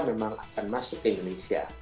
memang akan masuk ke indonesia